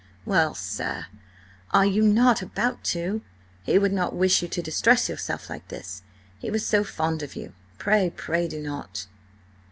"Well, sir, are you not about to? He would not wish you to distress yourself like this! He was so fond of you! Pray, pray do not!"